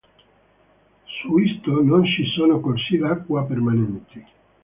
Su Isto non ci sono corsi d'acqua permanenti.